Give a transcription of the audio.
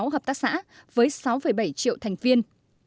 một mươi bốn trăm bốn mươi sáu hợp tác xã với sáu bảy triệu thành viên